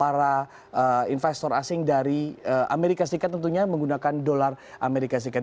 para investor asing dari amerika serikat tentunya menggunakan dolar amerika serikat